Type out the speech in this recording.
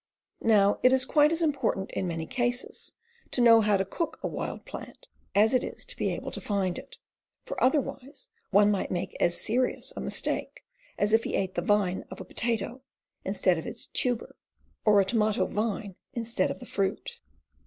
Now it is quite as important, in many cases, to know how to cook a wild plant as it is to be able to find it, for, otherwise, one might make as serious a mistake as if he ate the vine of a potato instead of its tuber, or a tomato vine instead of the fruit.